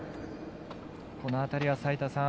この辺りは齋田さん